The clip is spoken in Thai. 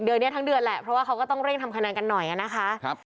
เดือนนี้ทั้งเดือนแหละเพราะว่าเขาก็ต้องเร่งทำคะแนนกันหน่อยนะคะ